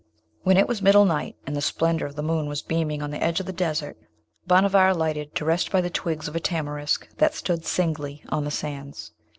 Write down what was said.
When it was middle night, and the splendour of the moon was beaming on the edge of the desert, Bhanavar alighted to rest by the twigs of a tamarisk that stood singly on the sands.